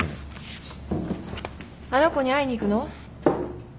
あの子に会いに行くの？